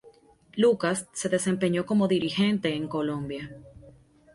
Lucas se desempeñó como dirigente en Colombia.